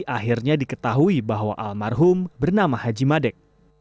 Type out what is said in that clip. akhirnya diketahui bahwa almarhum bernama haji madek